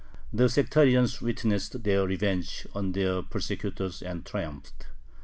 The sectarians witnessed their revenge on their persecutors and triumphed.